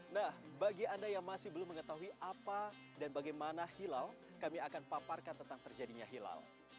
nah bagi anda yang masih belum mengetahui apa dan bagaimana hilal kami akan paparkan tentang terjadinya hilal